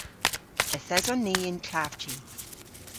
Yth eson ni y'n klavji.